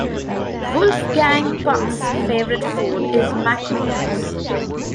Wolfgang Puck's favorite food is macaroons.